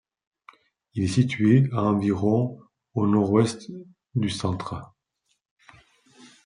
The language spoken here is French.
Il est situé à environ au nord-ouest du centre.